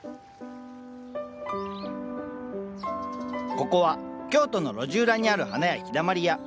ここは京都の路地裏にある花屋「陽だまり屋」。